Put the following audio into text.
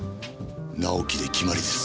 直樹で決まりです。